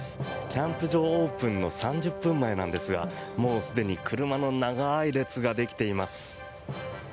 キャンプ場オープンの３０分前なんですがもうすでに車の長い列ができています。